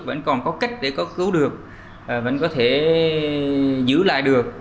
vẫn còn có cách để cứu được vẫn có thể giữ lại được